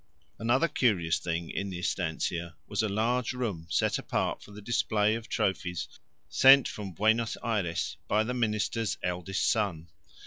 Another curious thing in the estancia was a large room set apart for the display of trophies sent from Buenos Ayres by the Minister's eldest son.